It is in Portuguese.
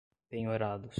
penhorados